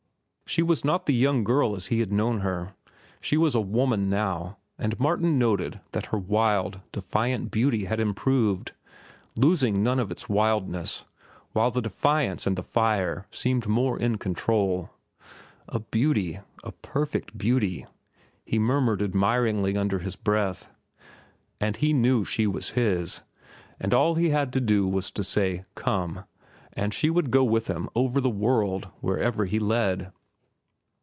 She was not the young girl as he had known her. She was a woman, now, and Martin noted that her wild, defiant beauty had improved, losing none of its wildness, while the defiance and the fire seemed more in control. "A beauty, a perfect beauty," he murmured admiringly under his breath. And he knew she was his, that all he had to do was to say "Come," and she would go with him over the world wherever he led.